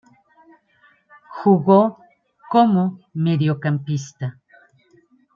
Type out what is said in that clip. Jugó como mediocampista.